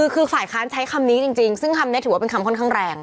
คือฝ่ายค้านใช้คำนี้จริงซึ่งคำนี้ถือว่าเป็นคำค่อนข้างแรง